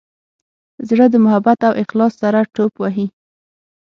زړه د محبت او اخلاص سره ټوپ وهي.